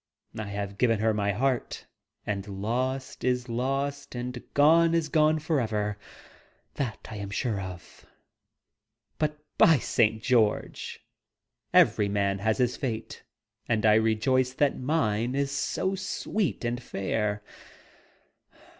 I have given her my heart; and lost, is lost; and gone, is gone forever. That I am sure of. But, by St. George! every man has his fate, and I rejoice that mine is so sweet and fair!